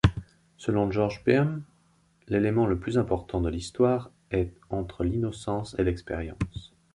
Selon George Beahm, l'élément le plus important de l'histoire est entre l'innocence et l'expérience.